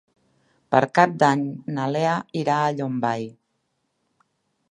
Per Cap d'Any na Lea irà a Llombai.